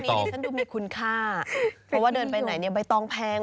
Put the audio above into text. นี่ฉันดูมีคุณค่าเพราะว่าเดินไปไหนเนี่ยใบตองแพง